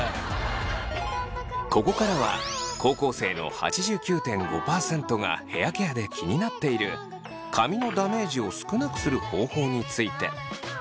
ここからは高校生の８９．５％がヘアケアで気になっている「髪のダメージを少なくする方法」について。